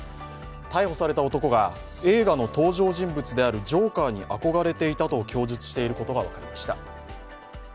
逮捕された男が映画の登場人物であるジョーカーに憧れていたと供述していることが分かりました。